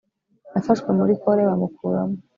yafashwe muri kole bamukuramo